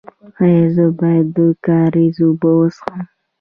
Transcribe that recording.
ایا زه باید د کاریز اوبه وڅښم؟